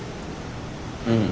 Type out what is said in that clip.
うん。